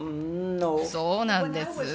そうなんです。